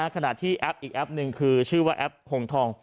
ขณะที่แอปอีกแอปหนึ่งคือชื่อว่าแอปหงทอง